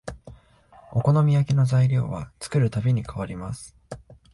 お好み焼きの材料は作るたびに変わります